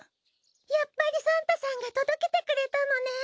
やっぱりサンタさんが届けてくれたのね！